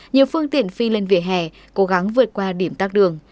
nhiều phương tiện phi lên vỉa hè cố gắng vượt qua điểm tác đường